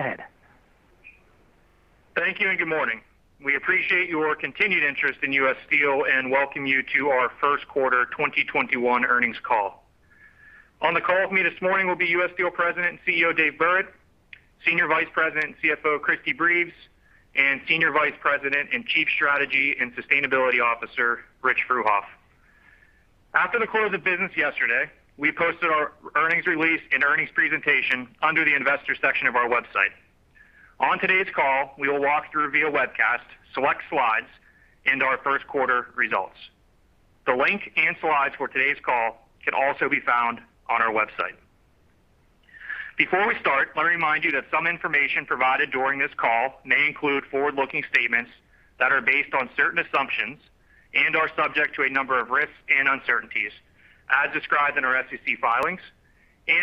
Go ahead. Thank you, and good morning. We appreciate your continued interest in U.S. Steel and welcome you to our first quarter 2021 earnings call. On the call with me this morning will be U.S. Steel President and CEO, David Burritt, Senior Vice President and CFO, Christine Breves, and Senior Vice President and Chief Strategy and Sustainability Officer, Richard Fruehauf. After the close of business yesterday, we posted our earnings release and earnings presentation under the investors section of our website. On today's call, we will walk through via webcast, select slides into our first quarter results. The link and slides for today's call can also be found on our website. Before we start, let me remind you that some information provided during this call may include forward-looking statements that are based on certain assumptions and are subject to a number of risks and uncertainties as described in our SEC filings.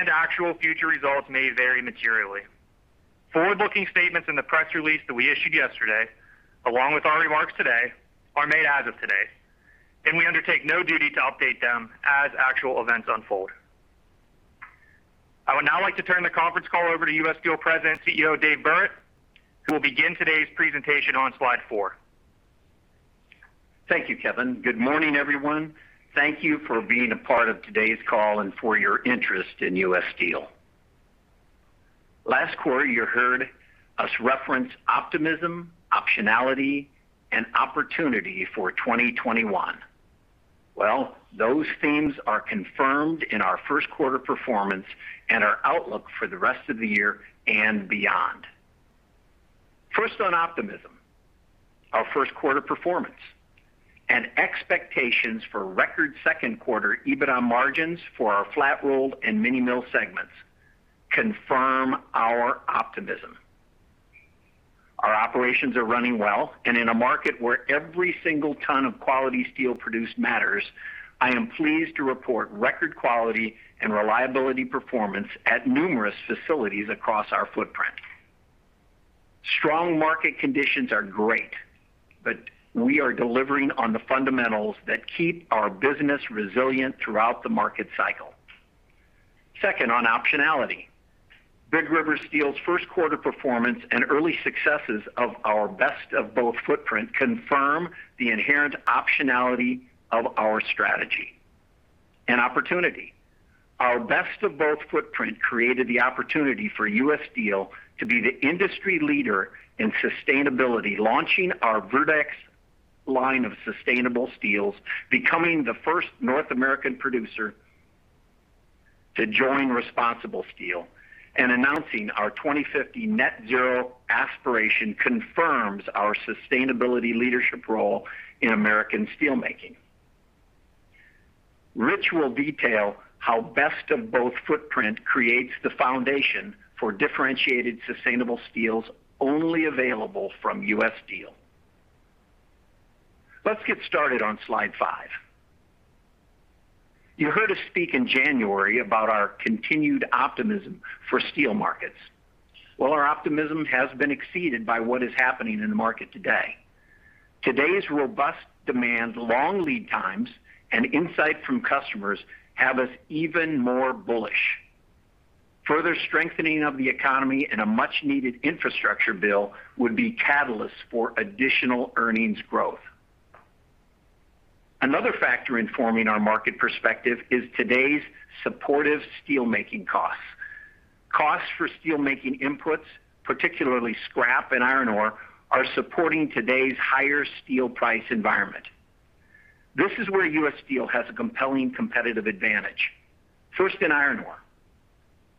Actual future results may vary materially. Forward-looking statements in the press release that we issued yesterday, along with our remarks today, are made as of today. We undertake no duty to update them as actual events unfold. I would now like to turn the conference call over to U.S. Steel President CEO, David B. Burritt, who will begin today's presentation on slide four. Thank you, Kevin. Good morning, everyone. Thank you for being a part of today's call and for your interest in U.S. Steel. Last quarter, you heard us reference optimism, optionality, and opportunity for 2021. Well, those themes are confirmed in our first quarter performance and our outlook for the rest of the year and beyond. First, on optimism. Our first quarter performance and expectations for record second quarter EBITDA margins for our Flat-Rolled and mini-mill segments confirm our optimism. Our operations are running well, and in a market where every single ton of quality steel produced matters, I am pleased to report record quality and reliability performance at numerous facilities across our footprint. Strong market conditions are great, but we are delivering on the fundamentals that keep our business resilient throughout the market cycle. Second, on optionality. Big River Steel's first quarter performance and early successes of our Best of Both footprint confirm the inherent optionality of our strategy. Opportunity. Our Best of Both footprint created the opportunity for U.S. Steel to be the industry leader in sustainability, launching our verdeX line of sustainable steels, becoming the first North American producer to join ResponsibleSteel, and announcing our 2050 net zero aspiration confirms our sustainability leadership role in American steel making. Rich will detail how Best of Both footprint creates the foundation for differentiated sustainable steels only available from U.S. Steel. Let's get started on slide five. You heard us speak in January about our continued optimism for steel markets. Well, our optimism has been exceeded by what is happening in the market today. Today's robust demand, long lead times, and insight from customers have us even more bullish. Further strengthening of the economy and a much-needed infrastructure bill would be catalysts for additional earnings growth. Another factor informing our market perspective is today's supportive steelmaking costs. Costs for steelmaking inputs, particularly scrap and iron ore, are supporting today's higher steel price environment. This is where U.S. Steel has a compelling competitive advantage. First, in iron ore.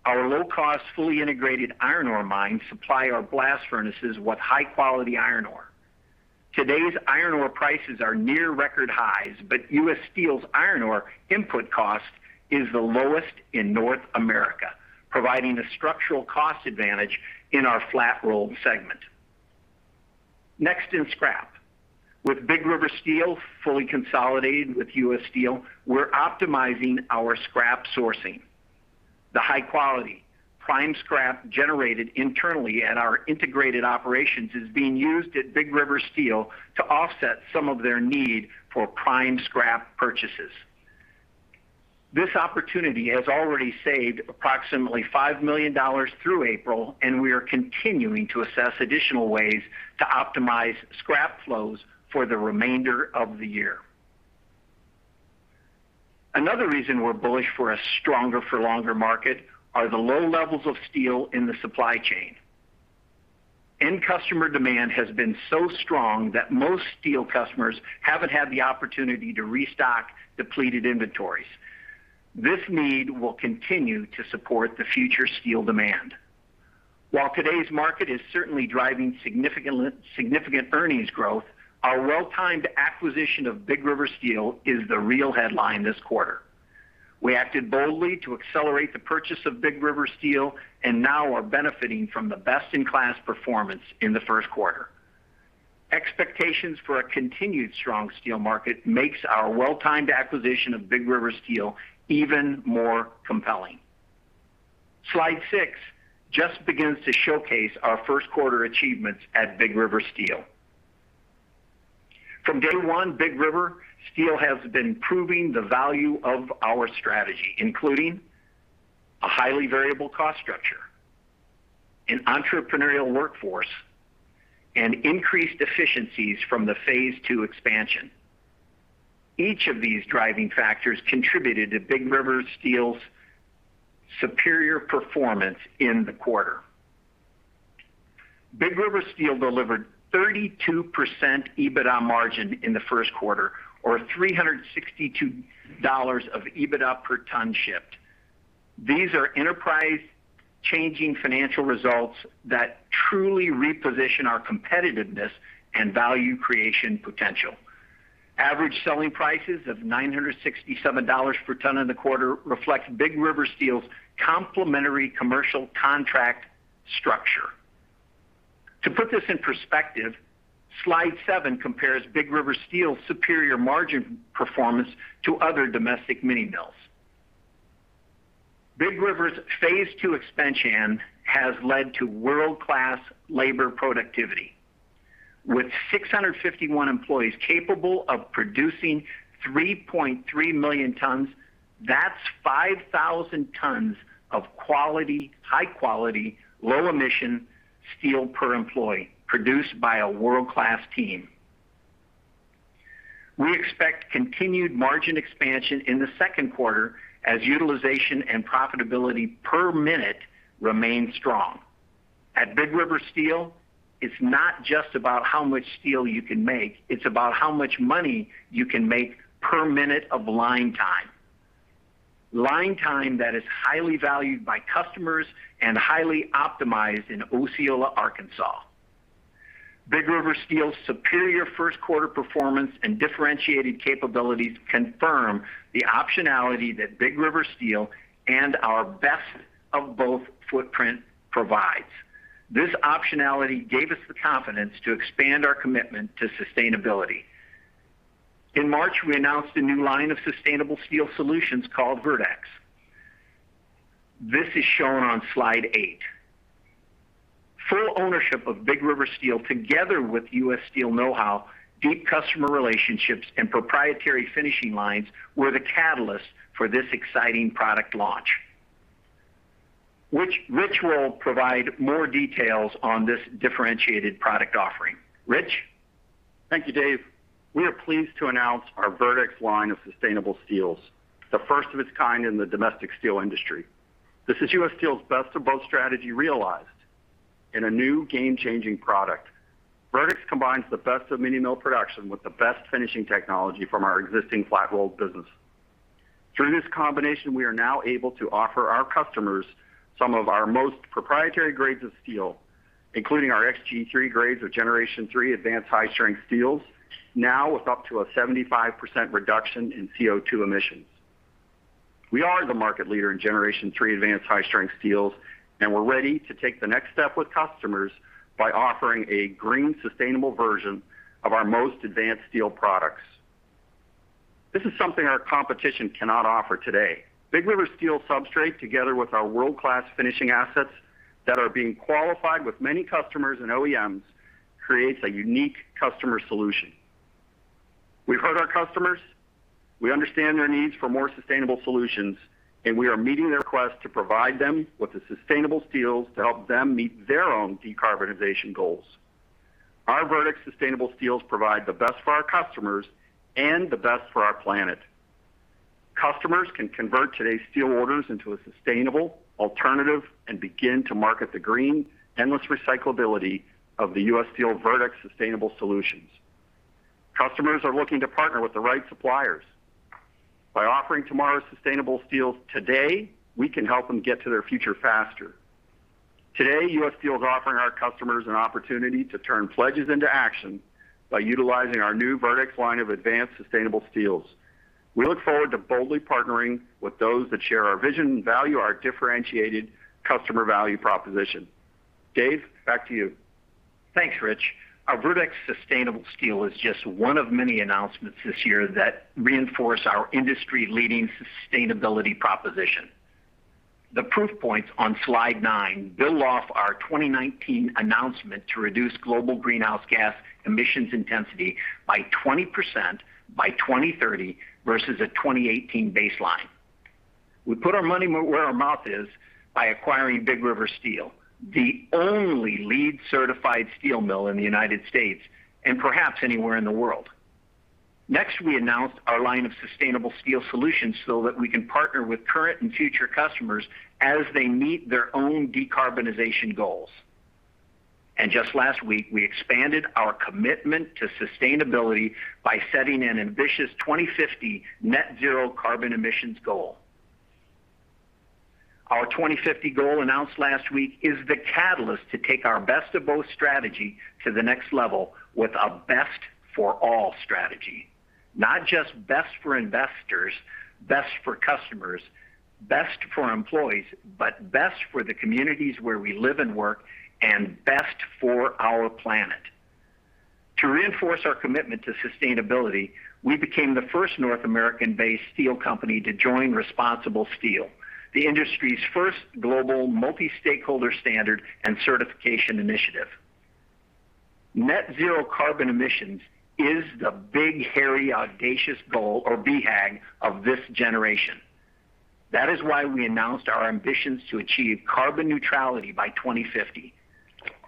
Our low-cost, fully integrated iron ore mines supply our blast furnaces with high-quality iron ore. Today's iron ore prices are near record highs. U.S. Steel's iron ore input cost is the lowest in North America, providing a structural cost advantage in our Flat-Rolled segment. Next, in scrap. With Big River Steel fully consolidated with U.S. Steel, we're optimizing our scrap sourcing. The high-quality prime scrap generated internally at our integrated operations is being used at Big River Steel to offset some of their need for prime scrap purchases. This opportunity has already saved approximately $5 million through April, and we are continuing to assess additional ways to optimize scrap flows for the remainder of the year. Another reason we're bullish for a stronger for longer market are the low levels of steel in the supply chain. End customer demand has been so strong that most steel customers haven't had the opportunity to restock depleted inventories. This need will continue to support the future steel demand. While today's market is certainly driving significant earnings growth, our well-timed acquisition of Big River Steel is the real headline this quarter. We acted boldly to accelerate the purchase of Big River Steel and now are benefiting from the best-in-class performance in the first quarter. Expectations for a continued strong steel market makes our well-timed acquisition of Big River Steel even more compelling. Slide six just begins to showcase our first quarter achievements at Big River Steel. From day one, Big River Steel has been proving the value of our strategy, including a highly variable cost structure, an entrepreneurial workforce, and increased efficiencies from the phase two expansion. Each of these driving factors contributed to Big River Steel's superior performance in the quarter. Big River Steel delivered 32% EBITDA margin in the first quarter, or $362 of EBITDA per ton shipped. These are enterprise-changing financial results that truly reposition our competitiveness and value creation potential. Average selling prices of $967 per ton in the quarter reflect Big River Steel's complementary commercial contract structure. To put this in perspective, slide seven compares Big River Steel's superior margin performance to other domestic mini-mills. Big River's phase two expansion has led to world-class labor productivity. With 651 employees capable of producing 3.3 million tons, that's 5,000 tons of high quality, low emission steel per employee, produced by a world-class team. We expect continued margin expansion in the second quarter as utilization and profitability per minute remain strong. At Big River Steel, it's not just about how much steel you can make, it's about how much money you can make per minute of line time. Line time that is highly valued by customers and highly optimized in Osceola, Arkansas. Big River Steel's superior first quarter performance and differentiated capabilities confirm the optionality that Big River Steel and our Best of Both footprint provides. This optionality gave us the confidence to expand our commitment to sustainability. In March, we announced a new line of sustainable steel solutions called verdeX. This is shown on slide eight. Full ownership of Big River Steel, together with U.S. Steel. Steel know-how, deep customer relationships, and proprietary finishing lines were the catalyst for this exciting product launch. Rich Fruehauf provide more details on this differentiated product offering. Rich? Thank you, David. We are pleased to announce our verdeX line of sustainable steels, the first of its kind in the domestic steel industry. This is U.S. Steel's Best of Both strategy realized in a new game-changing product. verdeX combines the best of mini mill production with the best finishing technology from our existing Flat-Rolled business. Through this combination, we are now able to offer our customers some of our most proprietary grades of steel, including our XG3 grades of Generation 3 advanced high-strength steels, now with up to a 75% reduction in CO2 emissions. We are the market leader in Generation 3 advanced high-strength steels, and we're ready to take the next step with customers by offering a green, sustainable version of our most advanced steel products. This is something our competition cannot offer today. Big River Steel substrate, together with our world-class finishing assets that are being qualified with many customers and OEMs, creates a unique customer solution. We've heard our customers, we understand their needs for more sustainable solutions, and we are meeting their request to provide them with the sustainable steels to help them meet their own decarbonization goals. Our verdeX sustainable steels provide the best for our customers and the best for our planet. Customers can convert today's steel orders into a sustainable alternative and begin to market the green, endless recyclability of the U.S. Steel verdeX sustainable solutions. Customers are looking to partner with the right suppliers. By offering tomorrow's sustainable steels today, we can help them get to their future faster. Today, U.S. Steel is offering our customers an opportunity to turn pledges into action by utilizing our new verdeX line of advanced sustainable steels. We look forward to boldly partnering with those that share our vision and value our differentiated customer value proposition. David, back to you. Thanks, Rich. Our verdeX sustainable steel is just one of many announcements this year that reinforce our industry-leading sustainability proposition. The proof points on slide nine build off our 2019 announcement to reduce global greenhouse gas emissions intensity by 20% by 2030 versus a 2018 baseline. We put our money where our mouth is by acquiring Big River Steel, the only LEED certified steel mill in the United States, and perhaps anywhere in the world. We announced our line of sustainable steel solutions so that we can partner with current and future customers as they meet their own decarbonization goals. Just last week, we expanded our commitment to sustainability by setting an ambitious 2050 net zero carbon emissions goal. Our 2050 goal announced last week is the catalyst to take our Best of Both strategy to the next level with a Best for All strategy. Not just best for investors, best for customers, best for employees, but best for the communities where we live and work and best for our planet. To reinforce our commitment to sustainability, we became the first North American-based steel company to join ResponsibleSteel. The industry's first global multi-stakeholder standard and certification initiative. Net zero carbon emissions is the big, hairy, audacious goal or BHAG of this generation. We announced our ambitions to achieve carbon neutrality by 2050.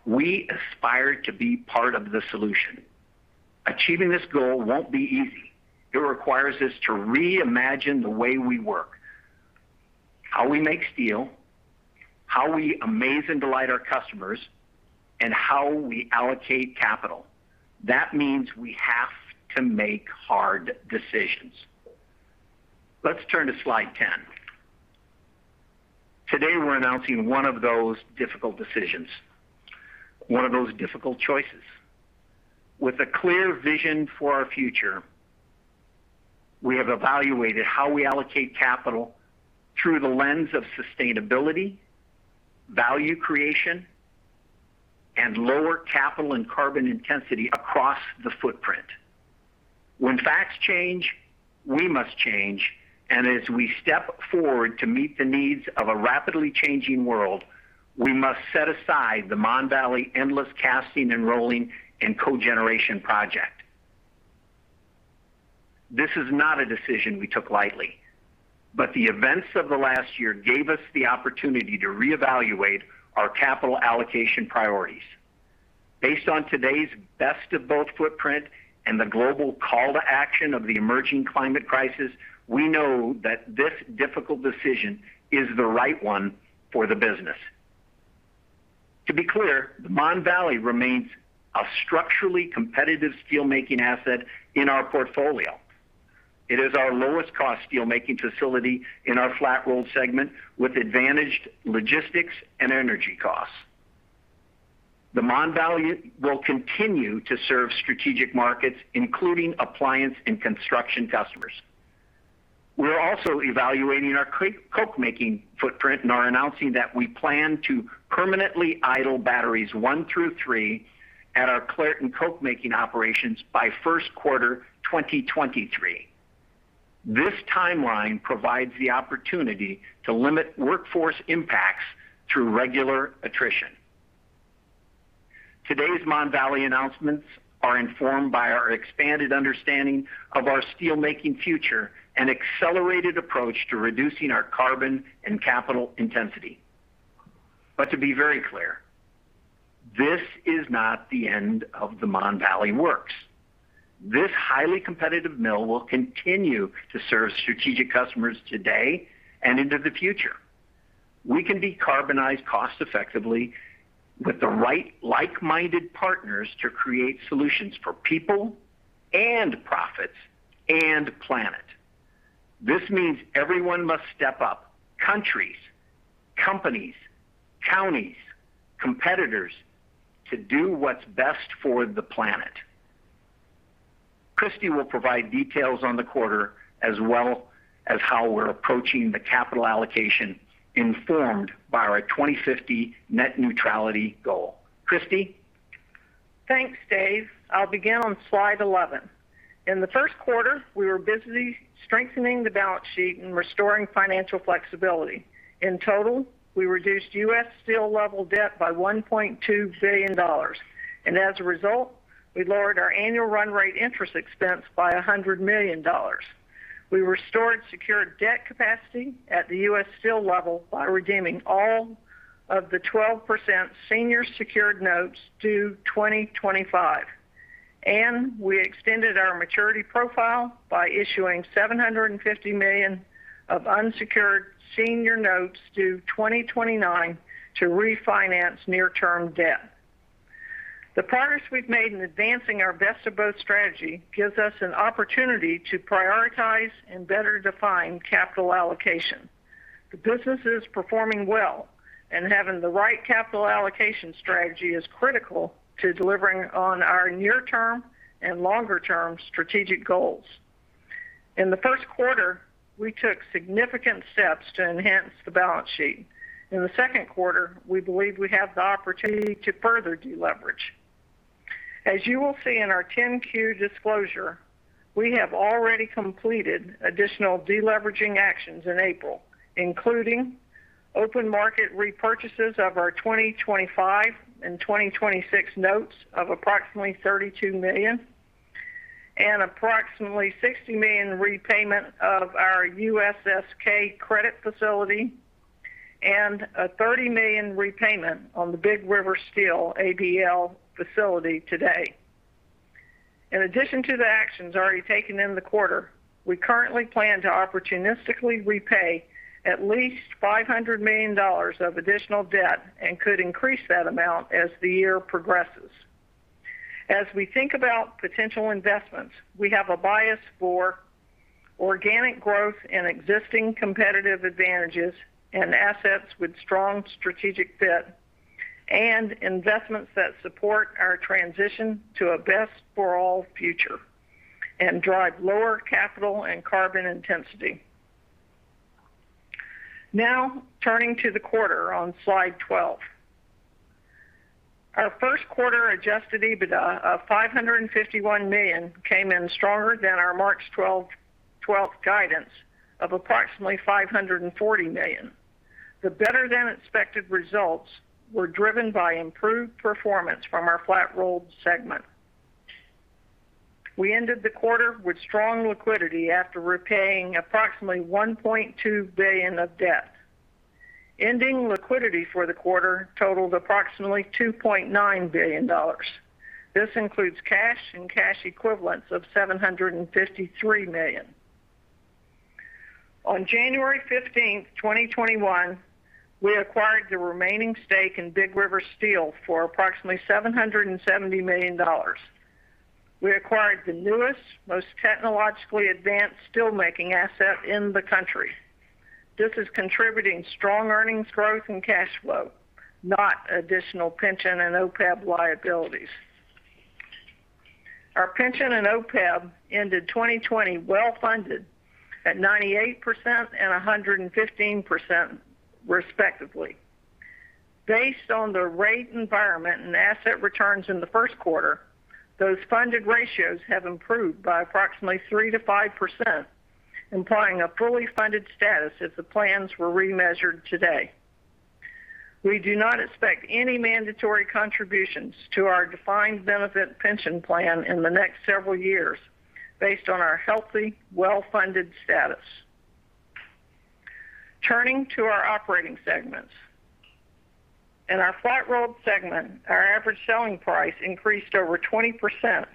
We aspire to be part of the solution. Achieving this goal won't be easy. It requires us to reimagine the way we work, how we make steel, how we amaze and delight our customers, and how we allocate capital. We have to make hard decisions. Let's turn to slide 10. Today, we're announcing one of those difficult decisions, one of those difficult choices. With a clear vision for our future, we have evaluated how we allocate capital through the lens of sustainability, value creation, and lower capital and carbon intensity across the footprint. When facts change, we must change, and as we step forward to meet the needs of a rapidly changing world, we must set aside the Mon Valley endless casting and rolling and cogeneration project. This is not a decision we took lightly, but the events of the last year gave us the opportunity to reevaluate our capital allocation priorities. Based on today's Best of Both footprint and the global call to action of the emerging climate crisis, we know that this difficult decision is the right one for the business. To be clear, the Mon Valley remains a structurally competitive steelmaking asset in our portfolio. It is our lowest cost steelmaking facility in our Flat-Rolled segment, with advantaged logistics and energy costs. The Mon Valley will continue to serve strategic markets, including appliance and construction customers. We're also evaluating our coke-making footprint and are announcing that we plan to permanently idle batteries 1 through 3 at our Clairton coke-making operations by first quarter 2023. This timeline provides the opportunity to limit workforce impacts through regular attrition. Today's Mon Valley announcements are informed by our expanded understanding of our steelmaking future and accelerated approach to reducing our carbon and capital intensity. To be very clear, this is not the end of the Mon Valley Works. This highly competitive mill will continue to serve strategic customers today and into the future. We can decarbonize cost effectively with the right like-minded partners to create solutions for people and profits and planet. This means everyone must step up, countries, companies, counties, competitors, to do what's best for the planet. Christy will provide details on the quarter as well as how we're approaching the capital allocation informed by our 2050 net neutrality goal. Christy? Thanks, Dave. I'll begin on slide 11. In the first quarter, we were busy strengthening the balance sheet and restoring financial flexibility. In total, we reduced U.S. Steel level debt by $1.2 billion. As a result, we lowered our annual run rate interest expense by $100 million. We restored secured debt capacity at the U.S. Steel level by redeeming all of the 12% senior secured notes due 2025. We extended our maturity profile by issuing $750 million of unsecured senior notes due 2029 to refinance near-term debt. The progress we've made in advancing our Best of Both strategy gives us an opportunity to prioritize and better define capital allocation. The business is performing well, and having the right capital allocation strategy is critical to delivering on our near-term and longer-term strategic goals. In the first quarter, we took significant steps to enhance the balance sheet. In the second quarter, we believe we have the opportunity to further deleverage. As you will see in our 10-Q disclosure, we have already completed additional deleveraging actions in April, including open market repurchases of our 2025 and 2026 notes of approximately $32 million, and approximately $60 million repayment of our USSK credit facility, and a $30 million repayment on the Big River Steel ABL facility today. In addition to the actions already taken in the quarter, we currently plan to opportunistically repay at least $500 million of additional debt and could increase that amount as the year progresses. As we think about potential investments, we have a bias for organic growth in existing competitive advantages and assets with strong strategic fit and investments that support our transition to a Best for All future and drive lower capital and carbon intensity. Turning to the quarter on slide 12. Our first quarter adjusted EBITDA of $551 million came in stronger than our March 12th guidance of approximately $540 million. The better-than-expected results were driven by improved performance from our Flat-Rolled segment. We ended the quarter with strong liquidity after repaying approximately $1.2 billion of debt. Ending liquidity for the quarter totaled approximately $2.9 billion. This includes cash and cash equivalents of $753 million. On January 15th, 2021, we acquired the remaining stake in Big River Steel for approximately $770 million. We acquired the newest, most technologically advanced steelmaking asset in the country. This is contributing strong earnings growth and cash flow, not additional pension and OPEB liabilities. Our pension and OPEB ended 2020 well-funded at 98% and 115%, respectively. Based on the rate environment and asset returns in the first quarter, those funded ratios have improved by approximately 3%-5%, implying a fully funded status if the plans were remeasured today. We do not expect any mandatory contributions to our defined benefit pension plan in the next several years based on our healthy, well-funded status. Turning to our operating segments. In our Flat-Rolled segment, our average selling price increased over 20%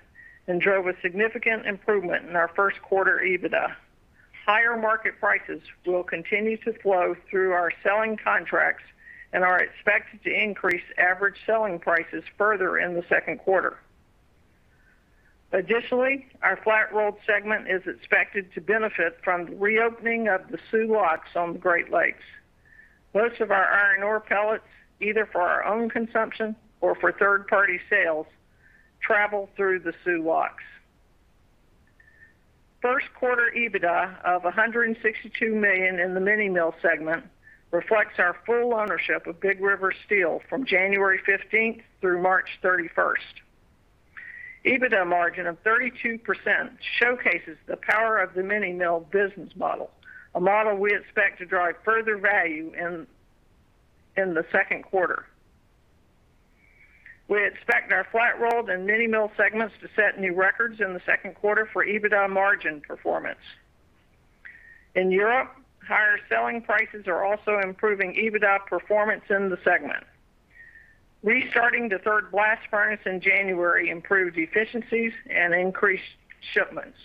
and drove a significant improvement in our first quarter EBITDA. Higher market prices will continue to flow through our selling contracts and are expected to increase average selling prices further in the second quarter. Additionally, our Flat-Rolled segment is expected to benefit from the reopening of the Soo Locks on the Great Lakes. Most of our iron ore pellets, either for our own consumption or for third-party sales, travel through the Soo Locks. First quarter EBITDA of $162 million in the mini mill segment reflects our full ownership of Big River Steel from January 15th through March 31st. EBITDA margin of 32% showcases the power of the mini mill business model, a model we expect to drive further value in the second quarter. We expect our Flat-Rolled and mini mill segments to set new records in the second quarter for EBITDA margin performance. In Europe, higher selling prices are also improving EBITDA performance in the segment. Restarting the third blast furnace in January improved efficiencies and increased shipments.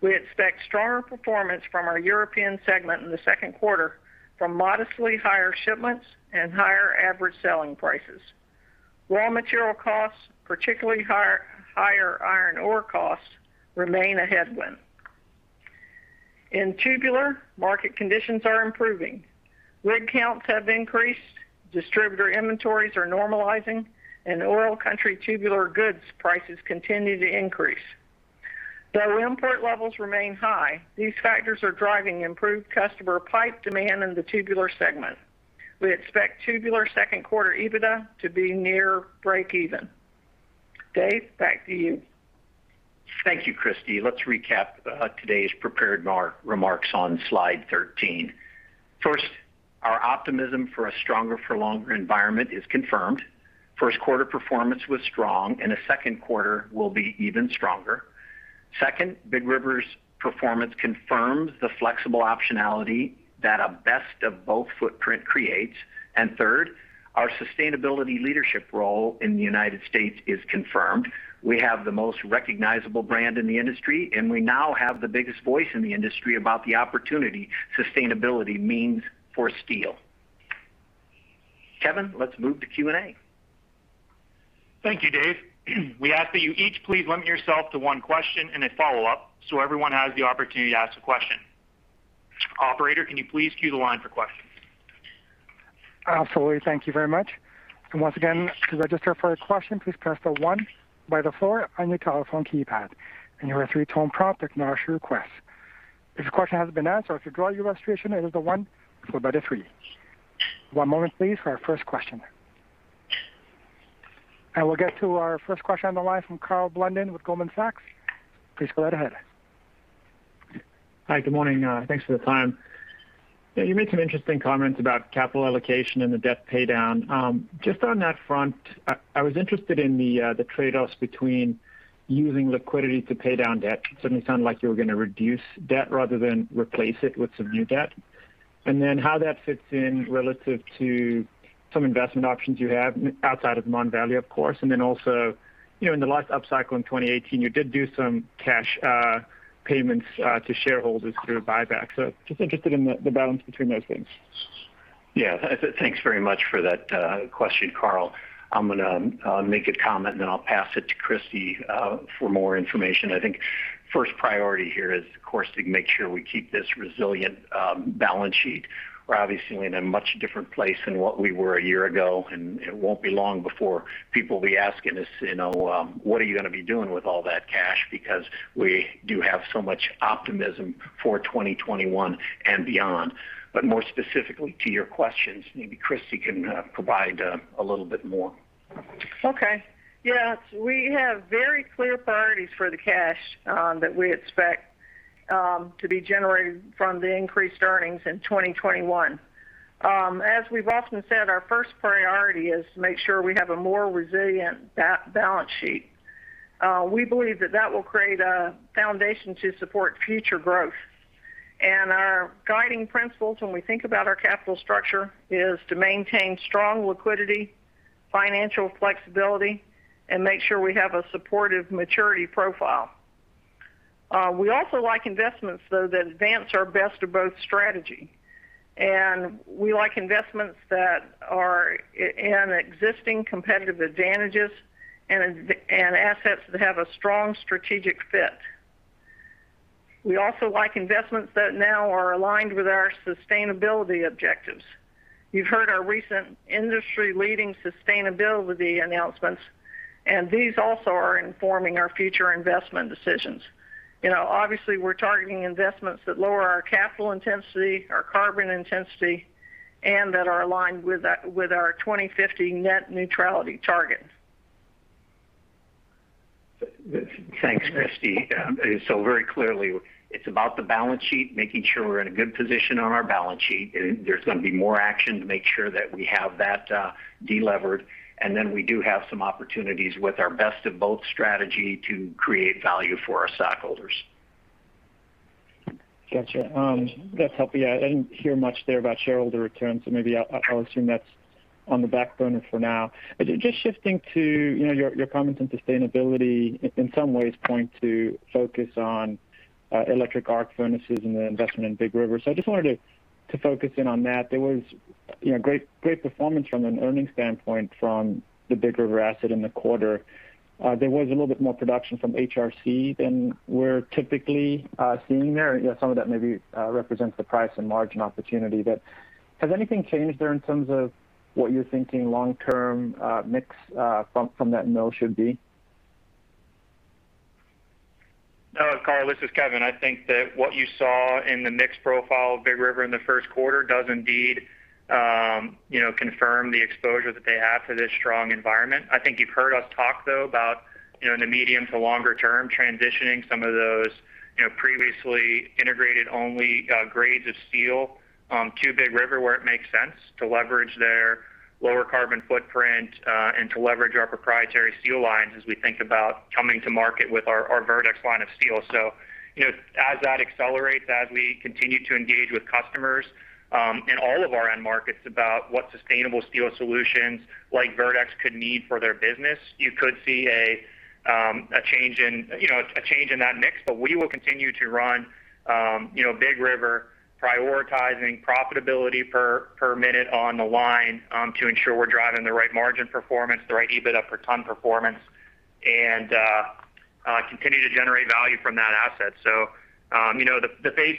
We expect stronger performance from our European segment in the second quarter from modestly higher shipments and higher average selling prices. Raw material costs, particularly higher iron ore costs, remain a headwind. In Tubular, market conditions are improving. Rig counts have increased, distributor inventories are normalizing, and oil country tubular goods prices continue to increase. Though import levels remain high, these factors are driving improved customer pipe demand in the Tubular segment. We expect Tubular second quarter EBITDA to be near breakeven. Dave, back to you. Thank you, Christine S. Breves. Let's recap today's prepared remarks on slide 13. First, our optimism for a stronger for longer environment is confirmed. First quarter performance was strong, and the second quarter will be even stronger. Second, Big River's performance confirms the flexible optionality that a Best of Both footprint creates. Third, our sustainability leadership role in the United States is confirmed. We have the most recognizable brand in the industry, and we now have the biggest voice in the industry about the opportunity sustainability means for steel. Kevin Lewis, let's move to Q&A. Thank you, Dave. We ask that you each please limit yourself to one question and a follow-up so everyone has the opportunity to ask a question. Operator, can you please queue the line for questions? I will get to our first question on the line from Karl Blunden with Goldman Sachs. Please go right ahead. Hi. Good morning. Thanks for the time. Yeah, you made some interesting comments about capital allocation and the debt paydown. Just on that front, I was interested in the trade-offs between using liquidity to pay down debt. It certainly sounded like you were going to reduce debt rather than replace it with some new debt. How that fits in relative to some investment options you have outside of Mon Valley, of course. Also, in the last upcycle in 2018, you did do some cash payments to shareholders through buybacks. Just interested in the balance between those things. Yeah. Thanks very much for that question, Karl. I'm gonna make a comment, and then I'll pass it to Christy for more information. I think first priority here is, of course, to make sure we keep this resilient balance sheet. We're obviously in a much different place than what we were a year ago, and it won't be long before people will be asking us, "What are you gonna be doing with all that cash?" Because we do have so much optimism for 2021 and beyond. More specifically to your questions, maybe Christy can provide a little bit more. Okay. Yeah. We have very clear priorities for the cash that we expect to be generated from the increased earnings in 2021. As we've often said, our first priority is to make sure we have a more resilient balance sheet. We believe that that will create a foundation to support future growth. Our guiding principles when we think about our capital structure is to maintain strong liquidity, financial flexibility, and make sure we have a supportive maturity profile. We also like investments, though, that advance our Best of Both strategy, and we like investments that are in existing competitive advantages and assets that have a strong strategic fit. We also like investments that now are aligned with our sustainability objectives. You've heard our recent industry-leading sustainability announcements, and these also are informing our future investment decisions. We're targeting investments that lower our capital intensity, our carbon intensity, and that are aligned with our 2050 net neutrality target. Thanks, Christine. Very clearly, it's about the balance sheet, making sure we're in a good position on our balance sheet. There's going to be more action to make sure that we have that de-levered. Then we do have some opportunities with our Best of Both strategy to create value for our stockholders. Got you. That's helpful. Yeah, I didn't hear much there about shareholder returns, so maybe I'll assume that's on the back burner for now. Just shifting to your comments on sustainability, in some ways point to focus on Electric Arc Furnaces and the investment in Big River. I just wanted to focus in on that. There was great performance from an earnings standpoint from the Big River asset in the quarter. There was a little bit more production from HRC than we're typically seeing there. Some of that maybe represents the price and margin opportunity, but has anything changed there in terms of what you're thinking long-term mix from that mill should be? Karl, this is Kevin. I think that what you saw in the mix profile of Big River in the first quarter does indeed confirm the exposure that they have to this strong environment. I think you've heard us talk, though, about in the medium to longer term, transitioning some of those previously integrated-only grades of steel to Big River, where it makes sense to leverage their lower carbon footprint and to leverage our proprietary steel lines as we think about coming to market with our verdeX line of steel. As that accelerates, as we continue to engage with customers in all of our end markets about what sustainable steel solutions like verdeX could mean for their business, you could see a change in that mix. We will continue to run Big River, prioritizing profitability per minute on the line to ensure we're driving the right margin performance, the right EBITDA per ton performance, and continue to generate value from that asset. The phase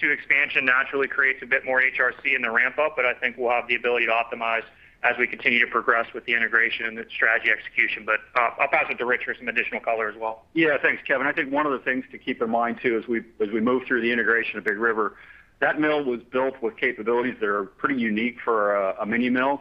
2 expansion naturally creates a bit more HRC in the ramp-up, I think we'll have the ability to optimize as we continue to progress with the integration and the strategy execution. I'll pass it to Rich for some additional color as well. Thanks, Kevin. I think one of the things to keep in mind, too, as we move through the integration of Big River Steel, that mill was built with capabilities that are pretty unique for a mini mill.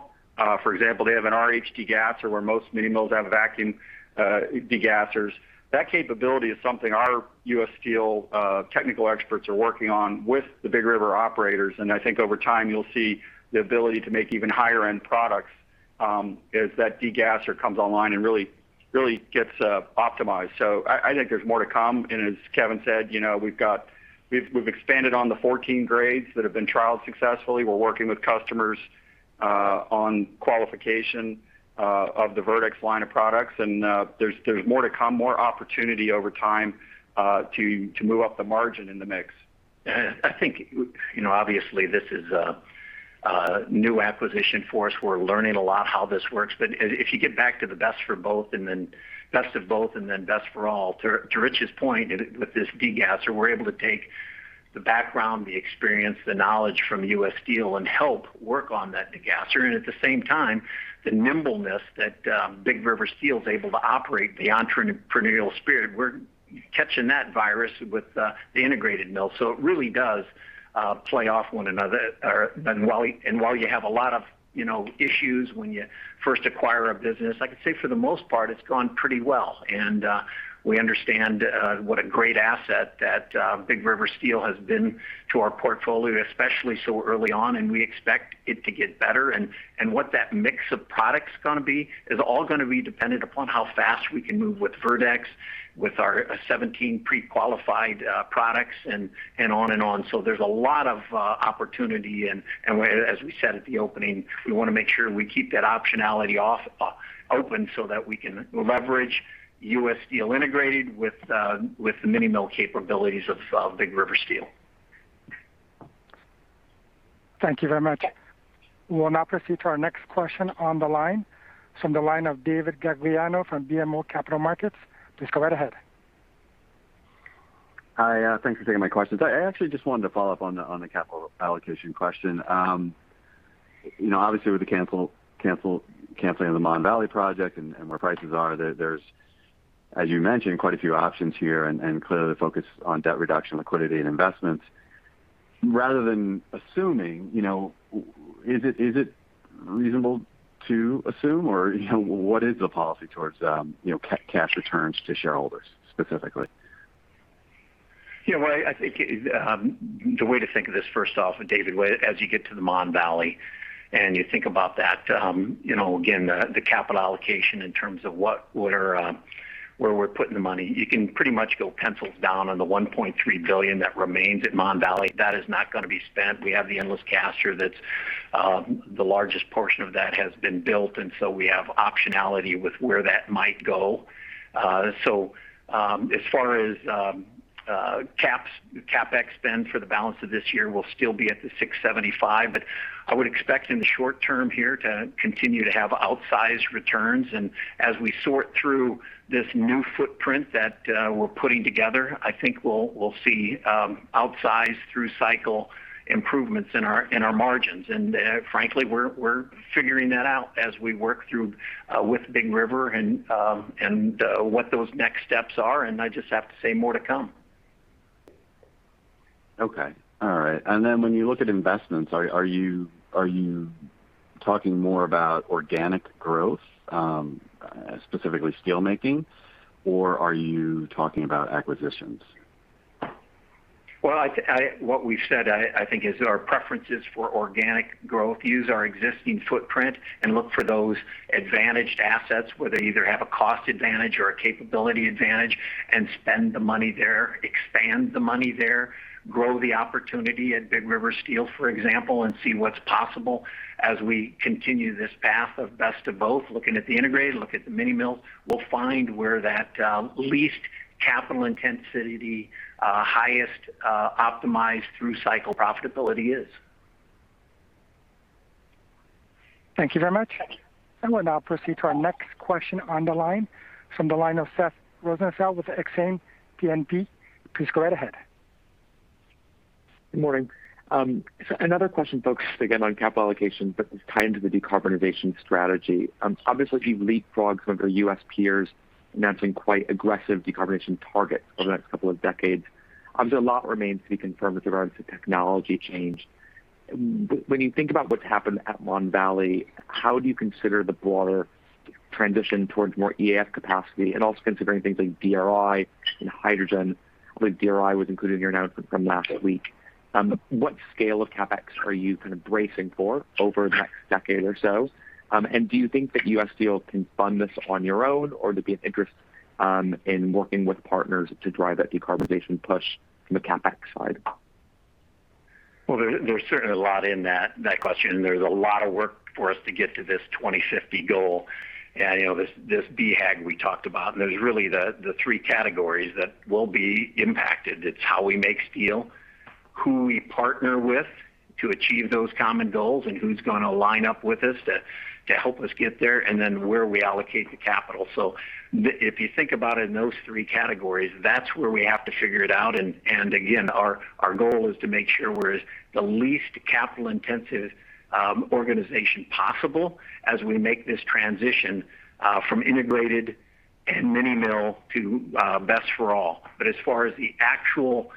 For example, they have an RH degasser where most mini mills have vacuum degassers. That capability is something our U.S. Steel technical experts are working on with the Big River Steel operators. I think over time, you'll see the ability to make even higher-end products as that degasser comes online and really gets optimized. I think there's more to come. As Kevin said, we've expanded on the 14 grades that have been trialed successfully. We're working with customers on qualification of the verdeX line of products, and there's more to come, more opportunity over time to move up the margin in the mix. I think, obviously this is a new acquisition for us. We're learning a lot how this works. If you get back to the Best of Both and then Best of Both, and then Best for All, to Rich's point with this degasser, we're able to take the background, the experience, the knowledge from U.S. Steel and help work on that degasser. At the same time, the nimbleness that Big River Steel is able to operate, the entrepreneurial spirit, we're catching that virus with the integrated mill. It really does play off one another. While you have a lot of issues when you first acquire a business, I can say for the most part, it's gone pretty well. We understand what a great asset that Big River Steel has been to our portfolio, especially so early on, and we expect it to get better. What that mix of products is going to be is all going to be dependent upon how fast we can move with verdeX, with our 17 pre-qualified products and on and on. There's a lot of opportunity, and as we said at the opening, we want to make sure we keep that optionality open so that we can leverage U.S. Steel integrated with the mini mill capabilities of Big River Steel. Thank you very much. We'll now proceed to our next question on the line from the line of David Gagliano from BMO Capital Markets. Please go right ahead. Hi, thanks for taking my questions. I actually just wanted to follow up on the capital allocation question. Obviously with the canceling of the Mon Valley project and where prices are, there'sAs you mentioned, quite a few options here and clearly focused on debt reduction, liquidity, and investments. Rather than assuming, is it reasonable to assume, or what is the policy towards cash returns to shareholders specifically? I think the way to think of this first off, David, as you get to the Mon Valley and you think about that, again, the capital allocation in terms of where we're putting the money, you can pretty much go pencils down on the $1.3 billion that remains at Mon Valley. That is not going to be spent. We have the endless caster that the largest portion of that has been built, and so we have optionality with where that might go. As far as CapEx spend for the balance of this year, we'll still be at the $675, but I would expect in the short term here to continue to have outsized returns. As we sort through this new footprint that we're putting together, I think we'll see outsized through-cycle improvements in our margins. Frankly, we're figuring that out as we work through with Big River and what those next steps are, and I just have to say more to come. Okay. All right. Then when you look at investments, are you talking more about organic growth, specifically steelmaking, or are you talking about acquisitions? Well, what we've said, I think is our preference is for organic growth. Use our existing footprint and look for those advantaged assets where they either have a cost advantage or a capability advantage and spend the money there, expand the money there, grow the opportunity at Big River Steel, for example, and see what's possible as we continue this path of Best of Both. Looking at the integrated, look at the mini mill. We'll find where that least capital intensity, highest optimized through-cycle profitability is. Thank you very much. Thank you. We'll now proceed to our next question on the line from Seth Rosenfeld with Exane BNP. Please go right ahead. Good morning. Another question focused again on capital allocation, but tied into the decarbonization strategy. Obviously, you've leapfrogged some of your U.S. peers announcing quite aggressive decarbonization targets over the next couple of decades. Obviously, a lot remains to be confirmed with regards to technology change. When you think about what's happened at Mon Valley, how do you consider the broader transition towards more EAF capacity and also considering things like DRI and hydrogen? I believe DRI was included in your announcement from last week. What scale of CapEx are you bracing for over the next decade or so? Do you think that U.S. Steel can fund this on your own, or there'd be an interest in working with partners to drive that decarbonization push from the CapEx side? There's certainly a lot in that question, and there's a lot of work for us to get to this 2050 goal and this BHAG we talked about. There's really the three categories that will be impacted. It's how we make steel, who we partner with to achieve those common goals, and who's going to line up with us to help us get there, and then where we allocate the capital. If you think about it in those three categories, that's where we have to figure it out. Again, our goal is to make sure we're the least capital-intensive organization possible as we make this transition from integrated and mini mill to Best for All. As far as the actual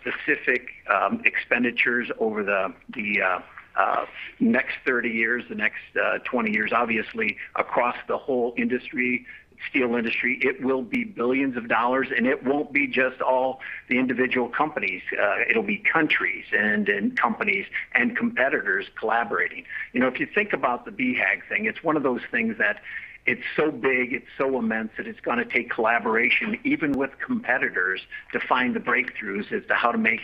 specific expenditures over the next 30 years, the next 20 years, obviously across the whole industry, steel industry, it will be billions of dollars, and it won't be just all the individual companies. It'll be countries and companies and competitors collaborating. If you think about the BHAG thing, it's one of those things that it's so big, it's so immense that it's going to take collaboration even with competitors to find the breakthroughs as to how to make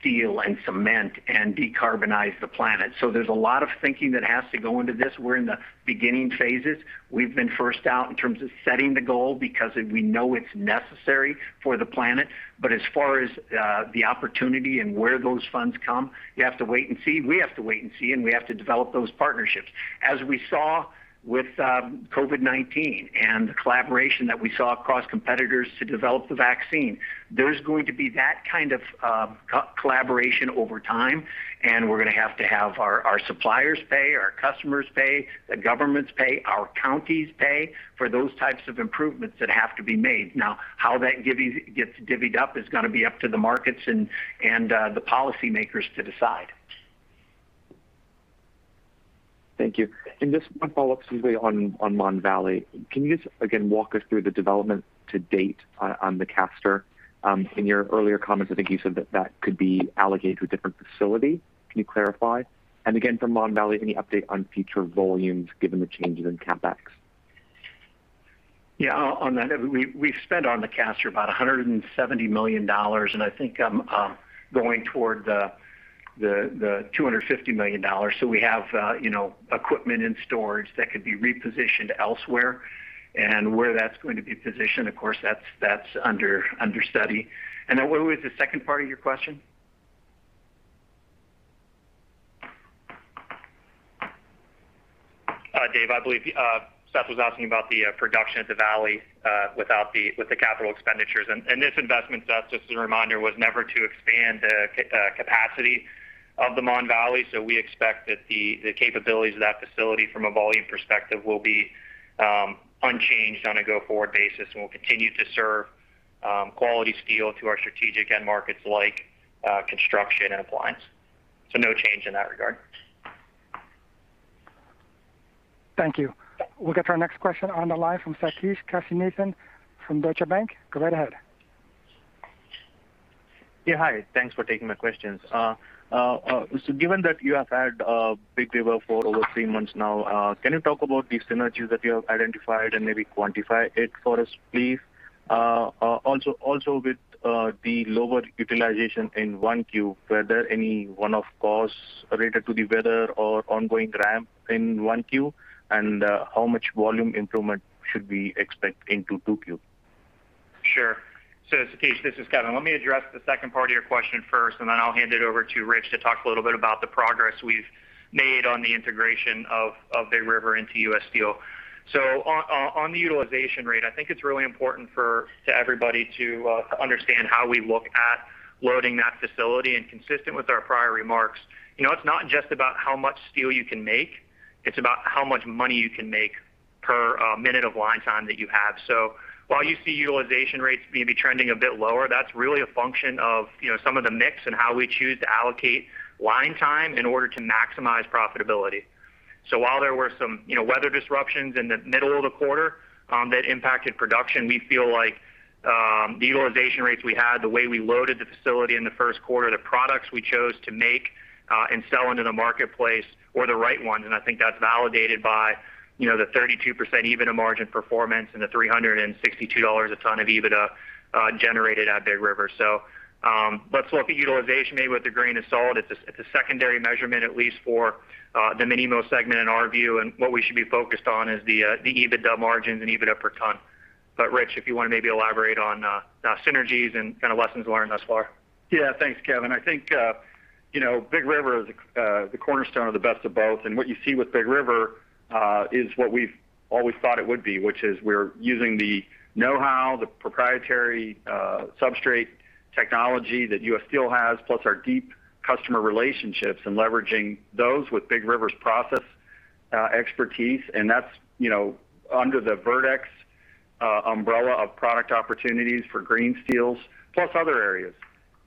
steel and cement and decarbonize the planet. There's a lot of thinking that has to go into this. We're in the beginning phases. We've been first out in terms of setting the goal because we know it's necessary for the planet. As far as the opportunity and where those funds come, you have to wait and see. We have to wait and see, and we have to develop those partnerships. As we saw with COVID-19 and the collaboration that we saw across competitors to develop the vaccine, there's going to be that kind of collaboration over time, and we're going to have to have our suppliers pay, our customers pay, the governments pay, our counties pay for those types of improvements that have to be made. Now, how that gets divvied up is going to be up to the markets and the policymakers to decide. Thank you. Just one follow-up quickly on Mon Valley. Can you just, again, walk us through the development to date on the caster? In your earlier comments, I think you said that that could be allocated to a different facility. Can you clarify? Again, for Mon Valley, any update on future volumes given the changes in CapEx? Yeah. On that, we've spent on the caster about $170 million, and I think going toward the $250 million. We have equipment in storage that could be repositioned elsewhere, and where that's going to be positioned, of course, that's under study. What was the second part of your question? Dave, I believe Seth was asking about the production at the Valley with the capital expenditures. This investment, Seth, just as a reminder, was never to expand capacity of the Mon Valley. We expect that the capabilities of that facility from a volume perspective will be unchanged on a go-forward basis and will continue to serve quality steel to our strategic end markets like construction and appliance. No change in that regard. Thank you. We'll get to our next question on the line from Sathish Kasinathan from Deutsche Bank. Go right ahead. Yeah, hi. Thanks for taking my questions. Given that you have had Big River for over three months now, can you talk about the synergies that you have identified and maybe quantify it for us, please? Also with the lower utilization in 1Q, were there any one-off costs related to the weather or ongoing ramp in 1Q, and how much volume improvement should we expect into 2Q? Sure. Sathish, this is Kevin. Let me address the second part of your question first, and then I'll hand it over to Rich to talk a little bit about the progress we've made on the integration of Big River Steel into U.S. Steel. On the utilization rate, I think it's really important to everybody to understand how we look at loading that facility. Consistent with our prior remarks, it's not just about how much steel you can make, it's about how much money you can make per minute of line time that you have. While you see utilization rates maybe trending a bit lower, that's really a function of some of the mix and how we choose to allocate line time in order to maximize profitability. While there were some weather disruptions in the middle of the quarter that impacted production, we feel like the utilization rates we had, the way we loaded the facility in the first quarter, the products we chose to make and sell into the marketplace were the right ones. I think that's validated by the 32% EBITDA margin performance and the $362 a ton of EBITDA generated at Big River. Let's look at utilization maybe with a grain of salt. It's a secondary measurement, at least for the mini-mill segment in our view. And what we should be focused on is the EBITDA margins and EBITDA per ton. Rich, if you want to maybe elaborate on synergies and kind of lessons learned thus far. Yeah. Thanks, Kevin. I think Big River Steel is the cornerstone of the Best of Both. What you see with Big River Steel is what we've always thought it would be, which is we're using the knowhow, the proprietary substrate technology that U.S. Steel has, plus our deep customer relationships, and leveraging those with Big River Steel's process expertise. That's under the verdeX umbrella of product opportunities for green steels, plus other areas.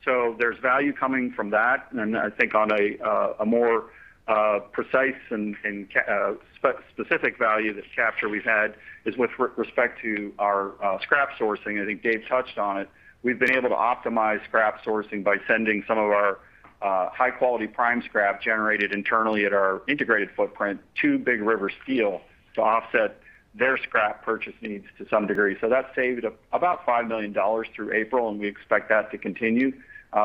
There's value coming from that. I think on a more precise and specific value that's captured we've had is with respect to our scrap sourcing. I think Dave touched on it. We've been able to optimize scrap sourcing by sending some of our high-quality prime scrap generated internally at our integrated footprint to Big River Steel to offset their scrap purchase needs to some degree. That saved about $5 million through April, and we expect that to continue.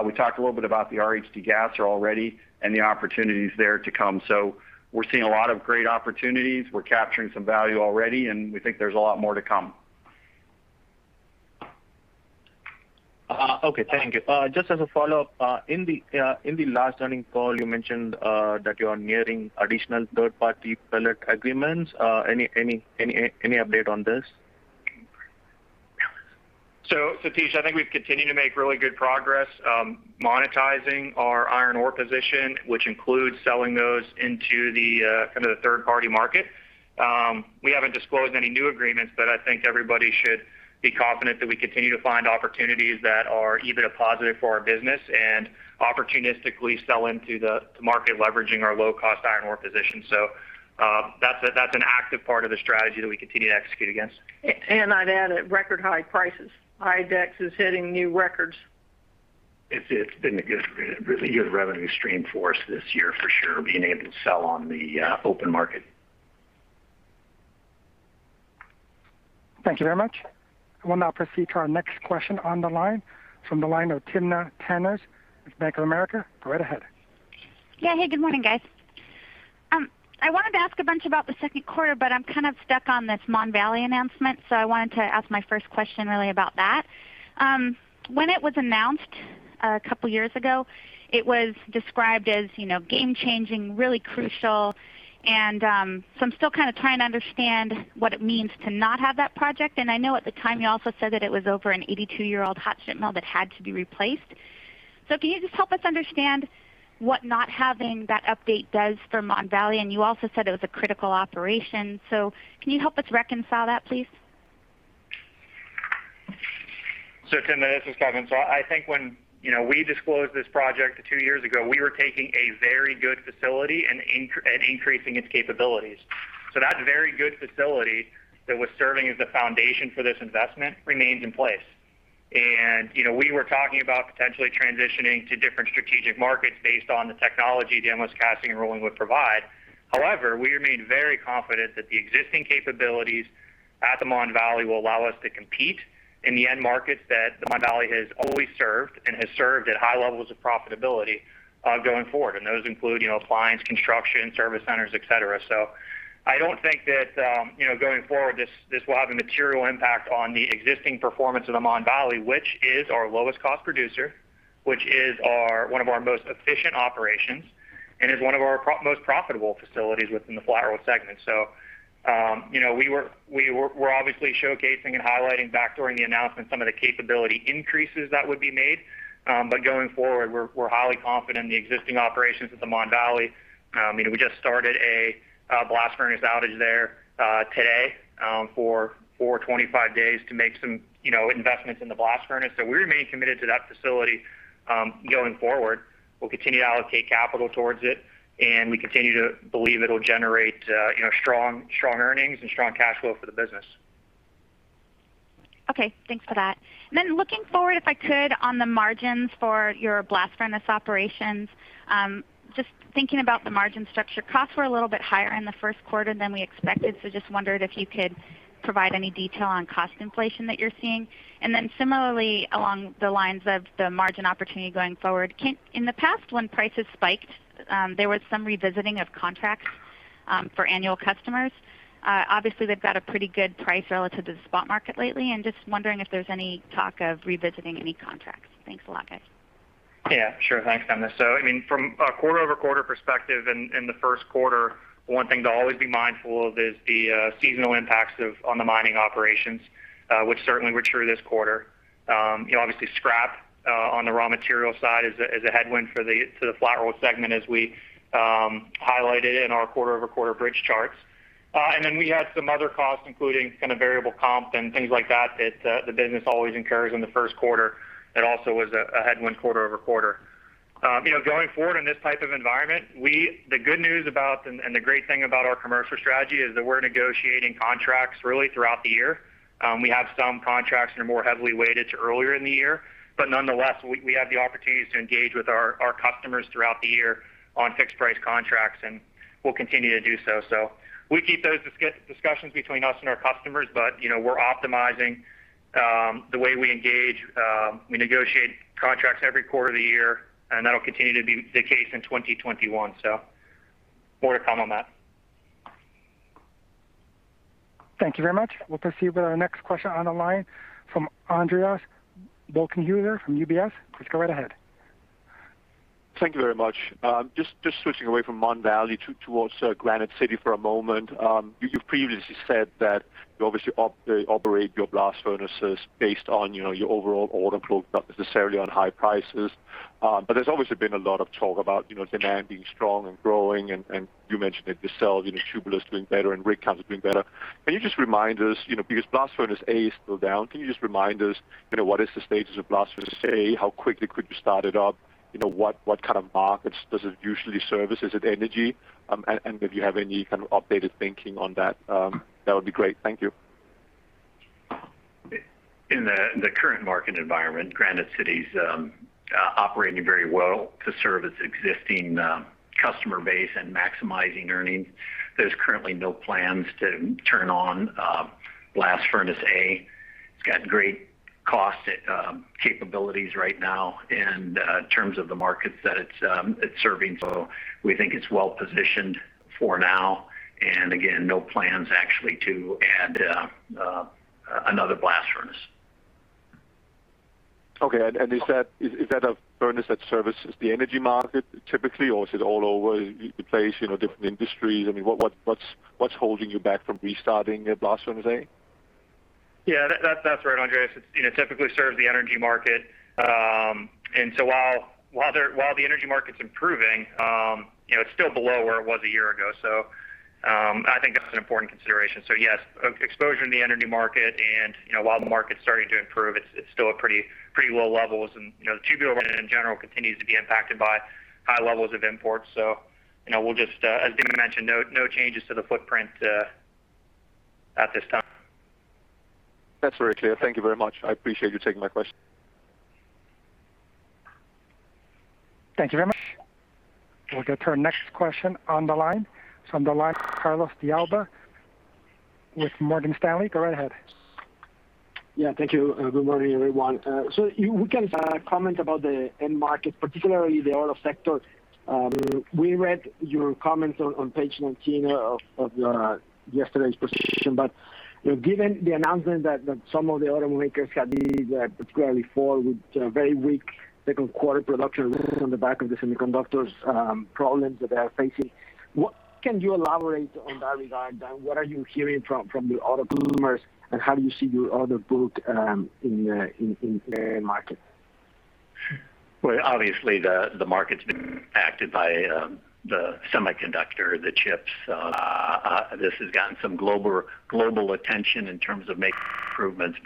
We talked a little bit about the RH gas already and the opportunities there to come. We're seeing a lot of great opportunities. We're capturing some value already, and we think there's a lot more to come. Okay. Thank you. Just as a follow-up. In the last earnings call, you mentioned that you are nearing additional third-party pellet agreements. Any update on this? Sathish, I think we've continued to make really good progress monetizing our iron ore position, which includes selling those into the third-party market. We haven't disclosed any new agreements, but I think everybody should be confident that we continue to find opportunities that are EBITDA positive for our business and opportunistically sell into the market, leveraging our low-cost iron ore position. That's an active part of the strategy that we continue to execute against. I'd add at record high prices. HDG is hitting new records. It's been a really good revenue stream for us this year for sure, being able to sell on the open market. Thank you very much. We'll now proceed to our next question on the line from the line of Timna Tanners with Bank of America. Go right ahead. Hey, good morning, guys. I wanted to ask a bunch about the second quarter, but I'm kind of stuck on this Mon Valley announcement, so I wanted to ask my first question really about that. When it was announced a couple of years ago, it was described as game-changing, really crucial. I'm still kind of trying to understand what it means to not have that project. I know at the time you also said that it was over an 82-year-old hot strip mill that had to be replaced. Can you just help us understand what not having that update does for Mon Valley? You also said it was a critical operation. Can you help us reconcile that, please? Timna Tanners, this is Kevin Lewis. I think when we disclosed this project two years ago, we were taking a very good facility and increasing its capabilities. That very good facility that was serving as the foundation for this investment remains in place. We were talking about potentially transitioning to different strategic markets based on the technology the endless casting and rolling would provide. However, we remain very confident that the existing capabilities at the Mon Valley will allow us to compete in the end markets that the Mon Valley has always served and has served at high levels of profitability going forward. Those include appliance, construction, service centers, et cetera. I don't think that going forward this will have a material impact on the existing performance of the Mon Valley, which is our lowest cost producer, which is one of our most efficient operations. It is one of our most profitable facilities within the Flat-Rolled segment. We're obviously showcasing and highlighting back during the announcement some of the capability increases that would be made. Going forward, we're highly confident in the existing operations at the Mon Valley. We just started a blast furnace outage there today for 25 days to make some investments in the blast furnace. We remain committed to that facility going forward. We'll continue to allocate capital towards it. We continue to believe it'll generate strong earnings and strong cash flow for the business. Okay. Thanks for that. Looking forward, if I could, on the margins for your blast furnace operations. Just thinking about the margin structure, costs were a little bit higher in the first quarter than we expected. Just wondered if you could provide any detail on cost inflation that you're seeing. Similarly, along the lines of the margin opportunity going forward, in the past, when prices spiked, there was some revisiting of contracts for annual customers. Obviously, they've got a pretty good price relative to the spot market lately, and just wondering if there's any talk of revisiting any contracts. Thanks a lot, guys. Sure. Thanks, Timna Tanners. From a quarter-over-quarter perspective in the first quarter, one thing to always be mindful of is the seasonal impacts on the mining operations, which certainly were true this quarter. Obviously, scrap on the raw material side is a headwind for the Flat-Rolled segment as we highlighted in our quarter-over-quarter bridge charts. We had some other costs, including variable comp and things like that the business always incurs in the first quarter, that also was a headwind quarter-over-quarter. Going forward in this type of environment, the good news about and the great thing about our commercial strategy is that we're negotiating contracts really throughout the year. We have some contracts that are more heavily weighted to earlier in the year. Nonetheless, we have the opportunities to engage with our customers throughout the year on fixed price contracts, and we'll continue to do so. We keep those discussions between us and our customers, but we're optimizing the way we engage. We negotiate contracts every quarter of the year, and that'll continue to be the case in 2021. More to come on that. Thank you very much. We'll proceed with our next question on the line from Andreas Bokkenheuser from UBS. Please go right ahead. Thank you very much. Just switching away from Mon Valley towards Granite City for a moment. You've previously said that you obviously operate your blast furnaces based on your overall order book, not necessarily on high prices. There's obviously been a lot of talk about demand being strong and growing, and you mentioned at the call, Tubular is doing better and rig count is doing better. Can you just remind us, because blast furnace A is still down, what is the status of blast furnace A? How quickly could you start it up? What kind of markets does it usually service? Is it energy? If you have any kind of updated thinking on that would be great. Thank you. In the current market environment, Granite City's operating very well to serve its existing customer base and maximizing earnings. There's currently no plans to turn on blast furnace A. It's got great cost capabilities right now in terms of the markets that it's serving. We think it's well-positioned for now. Again, no plans actually to add another blast furnace. Okay. Is that a furnace that services the energy market typically, or is it all over the place, different industries? What's holding you back from restarting blast furnace A? That's right, Andreas Bokkenheuser. It typically serves the energy market. While the energy market's improving, it's still below where it was a year ago. I think that's an important consideration. Yes, exposure in the energy market, and while the market's starting to improve, it's still at pretty low levels. The Tubular line in general continues to be impacted by high levels of imports. As David B. Burritt mentioned, no changes to the footprint at this time. That's very clear. Thank you very much. I appreciate you taking my question. Thank you very much. We'll go to our next question on the line. On the line, Carlos de Alba with Morgan Stanley. Go right ahead. Thank you. Good morning, everyone. If we can comment about the end market, particularly the auto sector. We read your comments on page 19 of yesterday's presentation. Given the announcement that some of the automakers had, particularly Ford, with very weak second quarter production on the back of the semiconductors problems that they are facing, what can you elaborate on that regard? What are you hearing from the auto OEMs and how do you see your order book in the end market? Well, obviously, the market's been impacted by the semiconductor, the chips. This has gotten some global attention in terms of making improvements.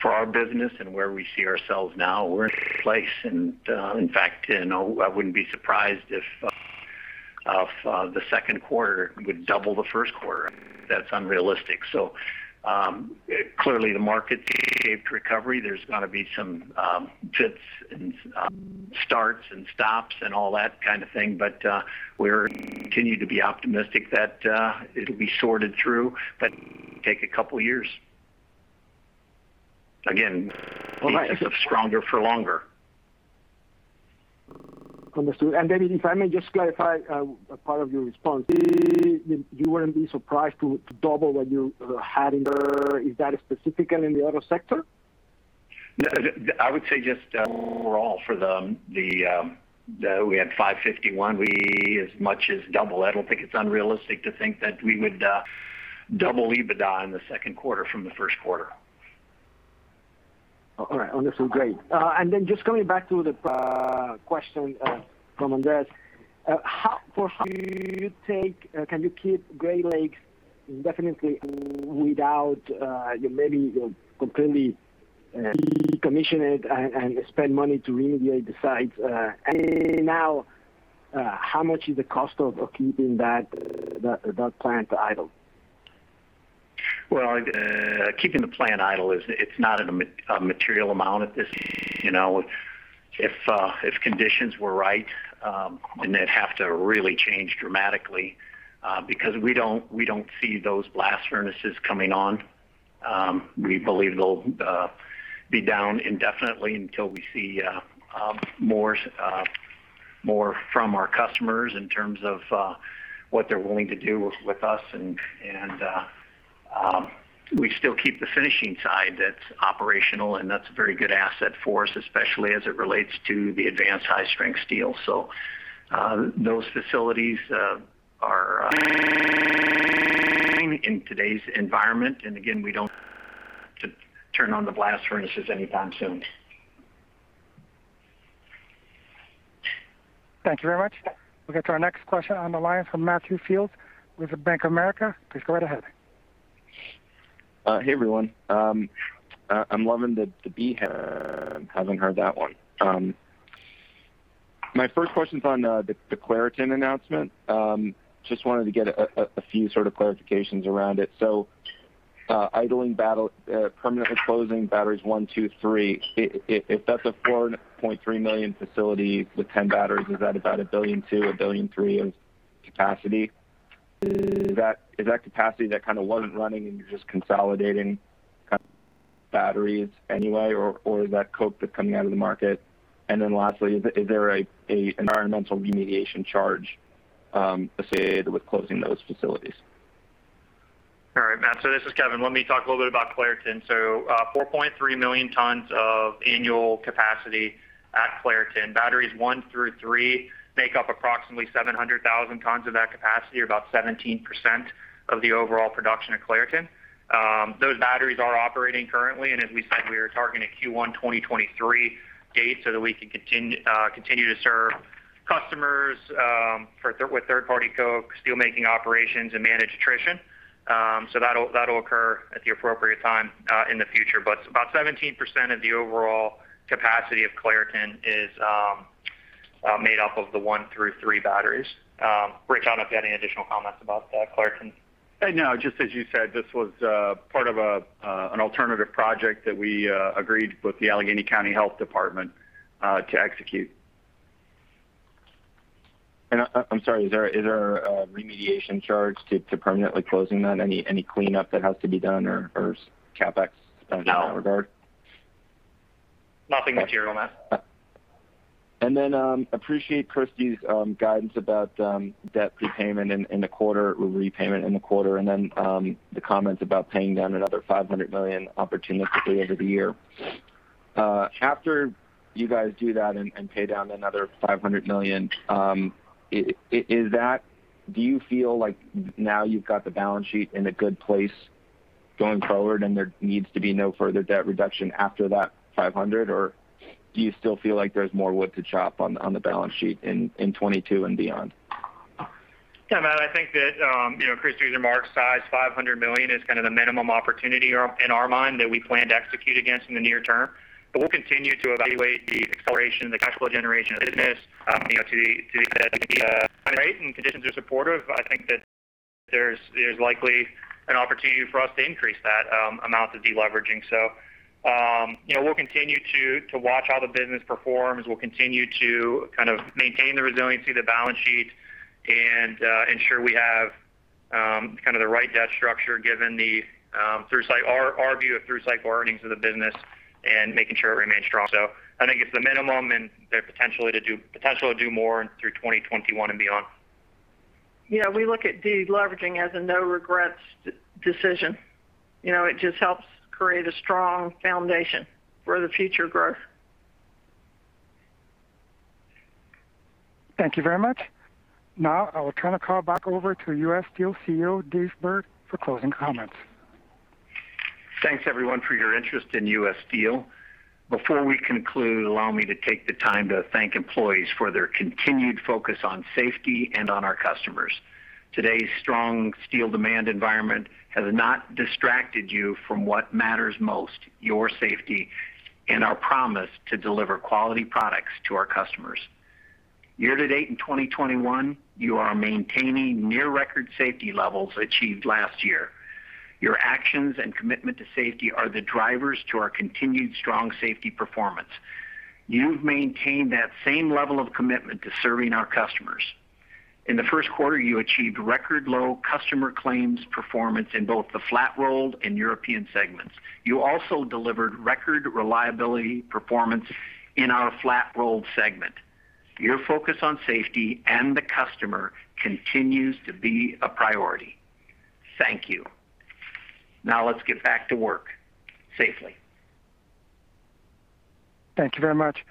For our business and where we see ourselves now, we're in a good place. In fact, I wouldn't be surprised if the second quarter would double the first quarter. That's unrealistic. Clearly the market's shaped recovery. There's going to be some pits, and starts and stops and all that kind of thing. We continue to be optimistic that it'll be sorted through, but it may take a couple of years. All right. because of stronger for longer. Understood. David, if I may just clarify a part of your response. You wouldn't be surprised to double what you had in there. Is that specifically in the auto sector? I would say just overall for them, we had $551, we as much as double. I don't think it's unrealistic to think that we would double EBITDA in the second quarter from the first quarter. All right. Wonderful. Great. Then just coming back to the question from Andreas Bokkenheuser. Can you keep Great Lakes Works indefinitely without maybe completely decommission it and spend money to remediate the sites? Now, how much is the cost of keeping that plant idle? Well, keeping the plant idle, it's not at a material amount at this. If conditions were right, and they'd have to really change dramatically, because we don't see those blast furnaces coming on. We believe they'll be down indefinitely until we see more from our customers in terms of what they're willing to do with us. We still keep the finishing side that's operational, and that's a very good asset for us, especially as it relates to the advanced high-strength steel. Those facilities are in today's environment. Again, we don't to turn on the blast furnaces anytime soon. Thank you very much. We'll get to our next question on the line from Matthew Fields with Bank of America. Please go right ahead. Hey, everyone. I'm loving the BHAG. Haven't heard that one. My first question's on the Clairton announcement. Just wanted to get a few sort of clarifications around it. Permanently closing batteries 1, 2, 3, if that's a $4.3 million facility with 10 batteries, is that about $1.2 billion, $1.3 billion of capacity? Is that capacity that kind of wasn't running and you're just consolidating batteries anyway, or is that coke that's coming out of the market? Lastly, is there an environmental remediation charge associated with closing those facilities? All right, Matt. This is Kevin. Let me talk a little bit about Clairton. 4.3 million tons of annual capacity at Clairton. Batteries 1 through 3 make up approximately 700,000 tons of that capacity, or about 17% of the overall production at Clairton. Those batteries are operating currently, and as we said, we are targeting a Q1 2023 date so that we can continue to serve customers with third-party coke, steelmaking operations, and manage attrition. That'll occur at the appropriate time in the future. About 17% of the overall capacity of Clairton is made up of the 1 through 3 batteries. Rich, I don't know if you had any additional comments about Clairton. No, just as you said, this was part of an alternative project that we agreed with the Allegheny County Health Department to execute. I'm sorry, is there a remediation charge to permanently closing that? Any cleanup that has to be done or CapEx spent in that regard? No. Nothing material, Matt. Then appreciate Christy's guidance about debt prepayment in the quarter, repayment in the quarter, then the comments about paying down another $500 million opportunistically over the year. After you guys do that and pay down another $500 million, do you feel like now you've got the balance sheet in a good place going forward and there needs to be no further debt reduction after that $500? Do you still feel like there's more wood to chop on the balance sheet in 2022 and beyond? Matt, I think that Christy's remarks, size $500 million is kind of the minimum opportunity in our mind that we plan to execute against in the near term. We'll continue to evaluate the acceleration of the cash flow generation of the business to the extent that we can. Conditions are supportive. I think that there's likely an opportunity for us to increase that amount of de-leveraging. We'll continue to watch how the business performs. We'll continue to maintain the resiliency of the balance sheet and ensure we have the right debt structure given our view of through-cycle earnings of the business and making sure it remains strong. I think it's the minimum and the potential to do more through 2021 and beyond. We look at de-leveraging as a no regrets decision. It just helps create a strong foundation for the future growth. Thank you very much. Now I will turn the call back over to U.S. Steel CEO, David B. Burritt, for closing comments. Thanks everyone for your interest in U.S. Steel. Before we conclude, allow me to take the time to thank employees for their continued focus on safety and on our customers. Today's strong steel demand environment has not distracted you from what matters most, your safety, and our promise to deliver quality products to our customers. Year to date in 2021, you are maintaining near-record safety levels achieved last year. Your actions and commitment to safety are the drivers to our continued strong safety performance. You've maintained that same level of commitment to serving our customers. In the first quarter, you achieved record low customer claims performance in both the Flat-Rolled and European segments. You also delivered record reliability performance in our Flat-Rolled segment. Your focus on safety and the customer continues to be a priority. Thank you. Now let's get back to work safely. Thank you very much.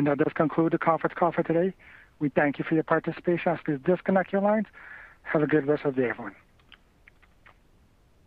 That does conclude the conference call for today. We thank you for your participation. I ask you to disconnect your lines. Have a good rest of the day, everyone.